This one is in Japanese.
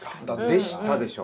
「でした」でしょ。